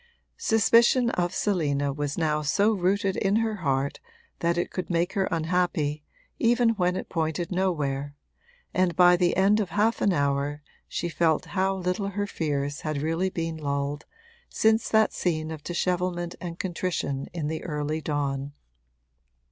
Suspicion of Selina was now so rooted in her heart that it could make her unhappy even when it pointed nowhere, and by the end of half an hour she felt how little her fears had really been lulled since that scene of dishevelment and contrition in the early dawn.